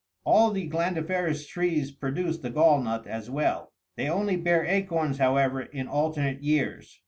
All61 the glandiferous trees produce the gall nut as well : they only bear acorns, however, in alternate years.